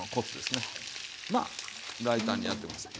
まあ大胆にやって下さい。